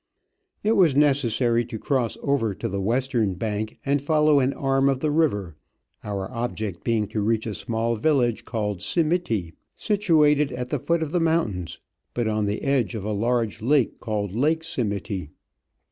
It was necessary to cross over to the western bank and follow an arm of the river, our object being to reach a small village called Simiti, situated at the foot of the mountains, but on the edge of a large lake called Lake Simiti.